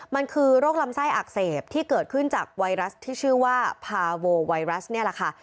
มันคือโรคลำไส้อักเสบที่เกิดขึ้นจากไวรัสที่ชื่อว่าพาโวไวรัสนี่แหละค่ะ